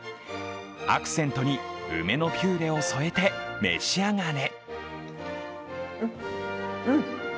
アクセントに梅のピューレを添えて召し上がれ。